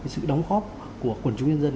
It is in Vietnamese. sự đóng góp của quần chúng dân dân